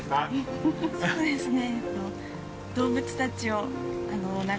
そうですね。